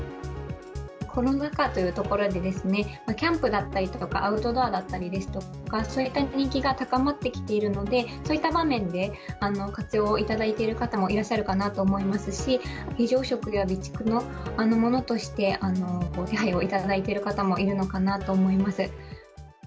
コロナ禍というところで、キャンプだったりとかアウトドアだったりですとか、そういった人気が高まってきているので、そういった場面で活用いただいている方もいらっしゃるかなと思いますし、非常食や備蓄のものとして手配をいただいている方もいるのかなと思います。